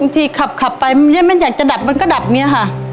ที่ขับไปมันอยากจะดับมันก็ดับเนี่ยค่ะ